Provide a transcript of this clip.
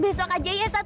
besok aja ya sat